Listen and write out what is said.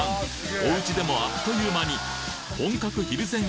おうちでもあっという間に本格ひるぜん